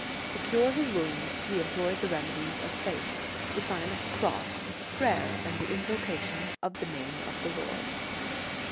To cure his wounds he employed the remedies of faith, the Sign of the Cross, prayer, and the invocation of the name of the Lord."